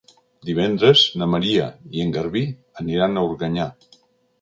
Divendres na Maria i en Garbí aniran a Organyà.